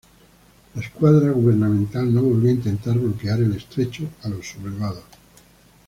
La escuadra gubernamental no volvió a intentar bloquear el Estrecho a los sublevados.